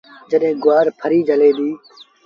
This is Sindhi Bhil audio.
جڏهيݩ گُوآر ڦريٚݩ جھلي دو۔